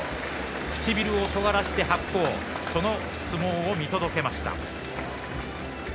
唇をとがらして白鵬その相撲を見届けました。